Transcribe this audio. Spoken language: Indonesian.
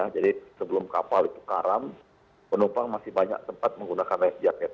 jadi sebelum kapal itu karam penumpang masih banyak tempat menggunakan life jacket